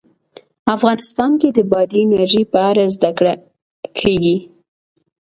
افغانستان کې د بادي انرژي په اړه زده کړه کېږي.